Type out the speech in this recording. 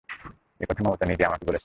এই কথা মমতা নিজেই আমাকে বলেছে।